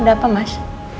udah apa mas